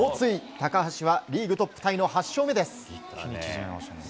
高橋はリーグトップタイの８勝目です。